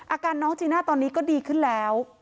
อาการน้องจีน่าตอนนี้ก็ดีขึ้นแล้ว